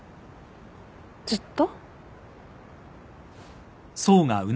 「ずっと」？